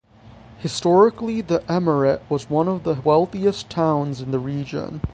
Historically the emirate was one of the wealthiest towns in the region.